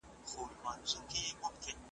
زورور غل په خپل کلي کي غلا نه کوي ,